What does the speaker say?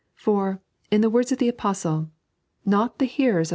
For, in the words of the Apostle :" Kot the heu«ra of the 3.